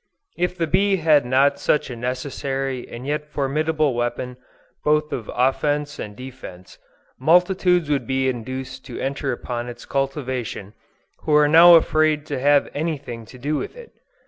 If the bee had not such a necessary and yet formidable weapon both of offence and defence, multitudes would be induced to enter upon its cultivation, who are now afraid to have any thing to do with it.